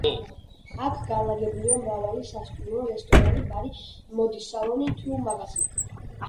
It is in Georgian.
აქ განლაგებულია მრავალი სასტუმრო, რესტორანი, ბარი, მოდის სალონი თუ მაღაზია.